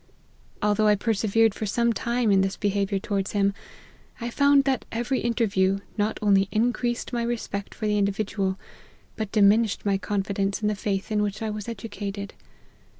Although I persevered for some time in this behaviour towards him, I found that every interview not only increased my respect for the in dividual, but diminished my confidence in the faith in which I was educated.